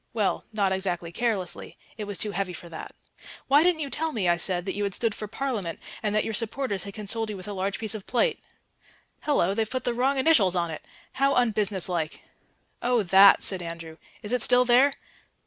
Well, not exactly carelessly; it was too heavy for that. "Why didn't you tell me," I said, "that you had stood for Parliament and that your supporters had consoled you with a large piece of plate? Hallo, they've put the wrong initials on it. How unbusiness like." "Oh, that?" said Andrew. "Is it still there?"